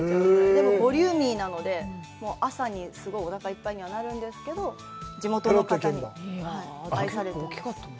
でも、ボリューミーなので、朝に、すごいおなかいっぱいにはなるんですけど、地元の方にも愛されてます。